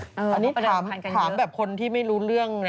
อันนี้ถามแบบคนที่ไม่รู้เรื่องนะ